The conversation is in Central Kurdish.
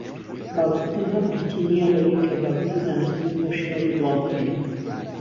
بابەتەکە تەنها بریتی نییە لەوەی کە بابەتی زانستی و هۆشیاری بڵاوبکەینەوە